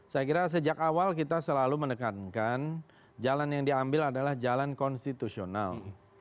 saya kira sejak awal kita selalu menekankan jalan yang diambil adalah jalan konstitusional